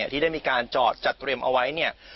ที่ได้มีการจอดจัดเตรียมเอาไว้เนี่ย